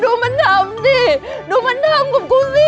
ดูมันทำดิดูมันทำกับกูสิ